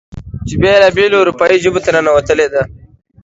چې بېلا بېلو اروپايې ژبو ته ننوتلې ده.